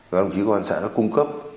và đồng chí của công an xã nó cung cấp